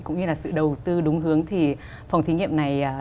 cũng như là sự đầu tư đúng hướng thì phòng thí nghiệm này